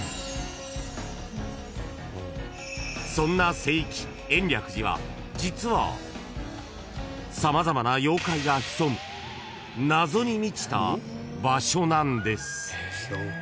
［そんな聖域延暦寺は実は様々な妖怪が潜む謎に満ちた場所なんです］